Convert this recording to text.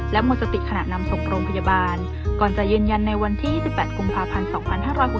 และหมดสติขนาดนำทรงโครงพยาบาลก่อนจะเย็นยันในวันที่สิบแปดกรุงภาพพันธ์สองพันห้าร้อยหกสิบหก